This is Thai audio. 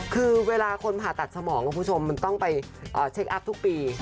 คือเวลาคนผ่าตัดสมองคุณผู้ชมมันต้องไปเช็คอัพทุกปี